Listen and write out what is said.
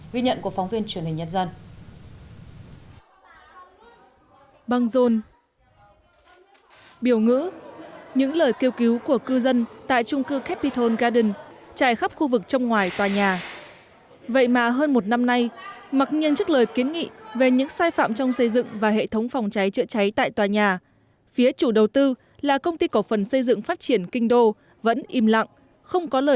ghi nhận của phóng viên truyền hình nhân dân